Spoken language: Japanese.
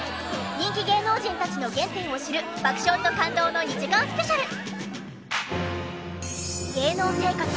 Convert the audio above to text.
人気芸能人たちの原点を知る爆笑と感動の２時間スペシャル！